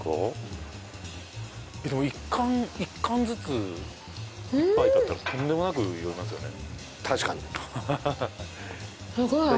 １貫１貫ずつ１杯だったらとんでもなく酔いますよね